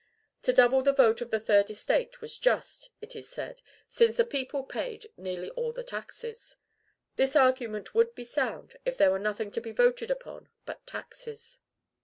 To double the vote of the third estate was just, it is said, since the people paid nearly all the taxes. This argument would be sound, if there were nothing to be voted upon but taxes.